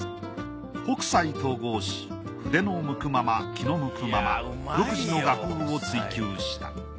北斎と号し筆の向くまま気の向くまま独自の画風を追求した。